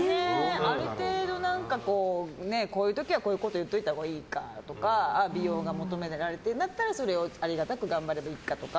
ある程度、こういう時はこういうことを言っておいたほうがいいかとか美容が求められてるんだったらそれをありがたく頑張るべきだとか。